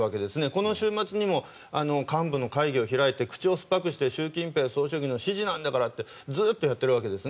この週末にも幹部の会議を開いて口をすっぱくして習近平総書記の指示なんだからとずっとやっているわけです。